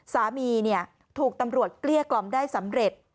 สามีถูกตำรวจเกลี้ยกล่อมได้สำเร็จ